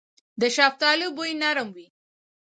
د شفتالو بوی نرم وي.